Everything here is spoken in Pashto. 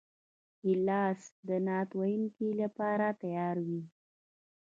ګیلاس د نعت ویونکو لپاره تیار وي.